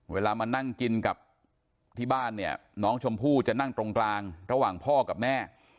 เวลามานั่งกินกับที่บ้านเนี่ยน้องชมพู่จะนั่งตรงกลางระหว่างพ่อกับแม่